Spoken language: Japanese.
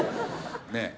ねえ。